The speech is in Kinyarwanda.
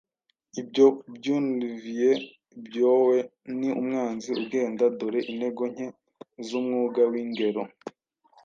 Ibyo byunvie byoe niUmwanzi, ugenda Dore intego nke zumwuga w ingero